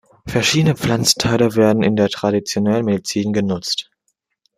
Verschiedene Pflanzenteile werden in der traditionellen Medizin genutzt.